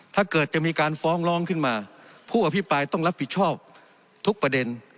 ถ้าเกิดจะมีการฟ้องร้องขึ้นมาผู้อภิปรายต้องรับผิดชอบทุกประเด็น